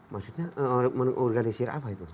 maksudnya organisir apa itu